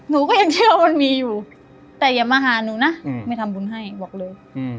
หนูก็ยังเชื่อว่ามันมีอยู่แต่อย่ามาหาหนูนะไม่ทำบุญให้บอกเลย